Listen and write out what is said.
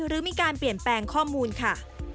หรือมีการเปลี่ยนแปลงข้อมูลค่ะ